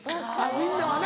みんなはな。